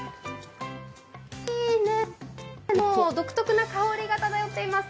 独特な香りが漂っています。